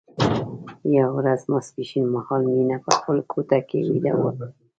یوه ورځ ماسپښين مهال مينه په خپله کوټه کې ويده وه